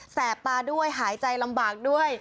แปบตาด้วยหายใจลำบากด้วย